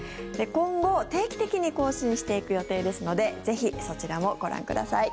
今後、定期的に更新していく予定ですのでぜひそちらもご覧ください。